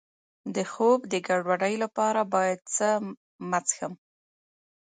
د خوب د ګډوډۍ لپاره باید څه مه څښم؟